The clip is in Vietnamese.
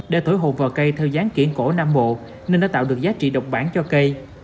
để thổi hộp vào cây theo dáng kiển cổ nam bộ nên đã tạo được giá trị độc bản cho cây